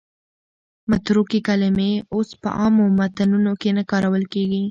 متروکې کلمې اوس په عامو متنونو کې نه کارول کېږي.